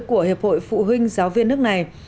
của hiệp hội phụ huynh giáo viên nước này